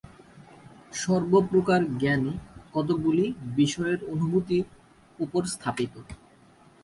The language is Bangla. সর্বপ্রকার জ্ঞানই কতকগুলি বিষয়ের অনুভূতির উপর স্থাপিত।